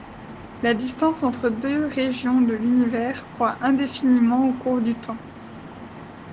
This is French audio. La distance entre deux régions de l'univers croît indéfiniment au cours du temps.